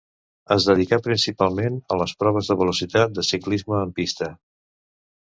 Es dedicà principalment a les proves de velocitat de ciclisme en pista.